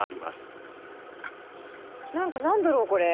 何か何だろうこれ？